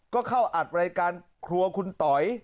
ก็เข้าอัดรายการครัวคุณต๋อย